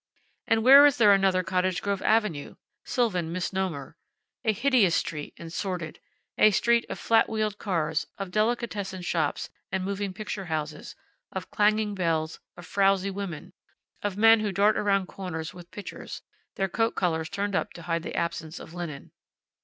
But where is there another Cottage Grove avenue! Sylvan misnomer! A hideous street, and sordid. A street of flat wheeled cars, of delicatessen shops and moving picture houses, of clanging bells, of frowsy women, of men who dart around corners with pitchers, their coat collars turned up to hide the absence of linen.